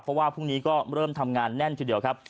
เพราะว่าพรุ่งนี้ก็เริ่มทำงานแน่นทีเดียวครับ